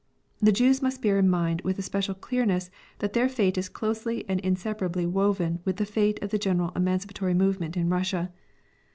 The Jews must bear in mind with especial clearness that their fate is closely and inseparably interwoven with the fate of the general emancipatory movement in Russia.